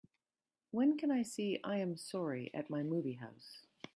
When can I see I Am Sorry at my movie house